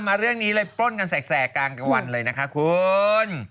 มาเรื่องนี้เลยปล้นกันแสกกลางวันเลยนะคะคุณ